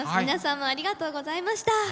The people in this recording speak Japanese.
皆さんもありがとうございました。